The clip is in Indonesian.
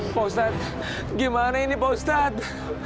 pak ustadz gimana ini pak ustadz